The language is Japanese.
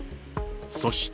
そして。